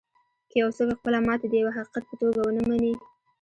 که یو څوک خپله ماتې د یوه حقیقت په توګه و نهمني